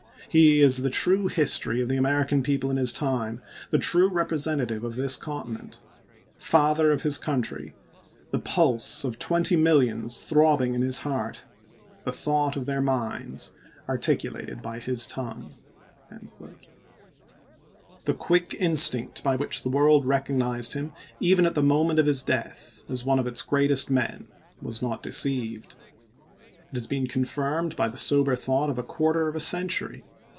He is the true history of the American people in his time ; the true representa tive of this continent — father of his country, the pulse of twenty millions throbbing in his heart, the thought of their minds articulated by his tongue." LINCOLN'S FAME 349 The quick instinct by which the world recognized ch. xvra. him, even at the moment of his death, as one of its greatest men, was not deceived. It has been confirmed by the sober thought of a quarter of a century.